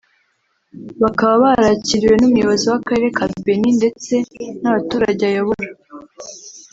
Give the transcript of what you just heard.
bakaba barakiriwe n’Umuyobozi w’Akarere ka Beni ndetse n’abaturage ayobora